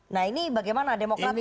nah ini bagaimana